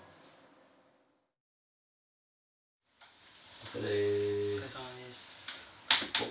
お疲れさまです。